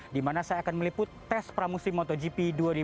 di mana saya akan meliput tes pramusim motogp dua ribu dua puluh